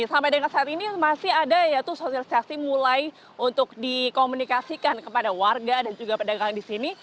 sampai dengan saat ini masih ada yaitu sosialisasi mulai untuk dikomunikasikan kepada warga dan juga pedagang di sini